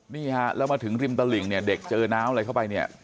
นี่ฮะแล้วมาถึงริมตลิ่งเนี่ยเด็กเจอน้ำอะไรเข้าไปเนี่ย